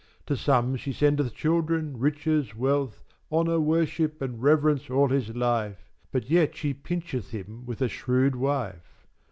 To some she sendeth children, riches, wealth, Honour, worship, and rev'rence all his life, But yet she pincheth him with a shrew'd5 wife.